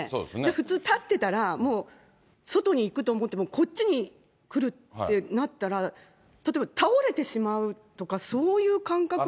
普通、立ってたらもう外に行くと思っても、こっちに来るってなったら、例えば倒れてしまうとか、そういう感覚に。